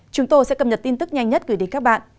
chúng tôi sẽ cập nhật tin tức nhanh nhất gửi đến các bạn